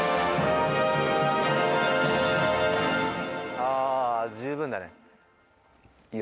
あー、十分だね。